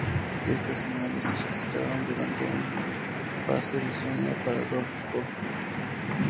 Estas señales se registraron durante una fase de sueño paradójico.